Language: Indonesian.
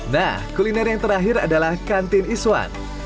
nah kuliner yang terakhir adalah kantin iswan